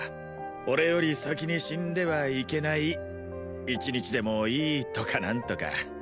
俺より先に死んではいけない１日でもいいとかなんとか